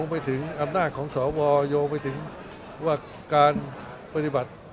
ไปถึงอำนาจของสวยงไปถึงว่าการปฏิบัติ